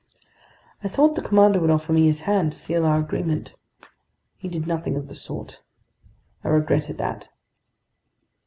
I thought the commander would offer me his hand, to seal our agreement. He did nothing of the sort. I regretted that.